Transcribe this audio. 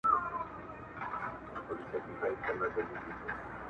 o بد مه راسره کوه، ښه دي نه غواړم٫